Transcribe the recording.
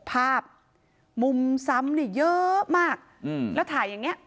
๕๓๖ภาพมุมซ้ำนี่เยอะมากแล้วถ่ายอย่างนี้